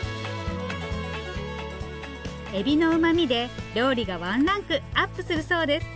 エビの旨味で料理がワンランクアップするそうです。